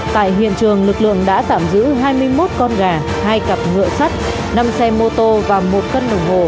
tại hiện trường lực lượng đã tạm giữ hai mươi một con gà hai cặp ngựa sắt năm xe mô tô và một cân đồng hồ